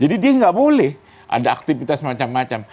jadi dia nggak boleh ada aktivitas macam macam